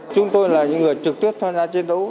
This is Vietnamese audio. chúng tôi là những người trực tiếp tham gia chiến đấu